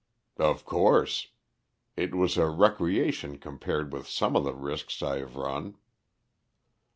"Of course. It was a recreation compared with some of the risks I have run."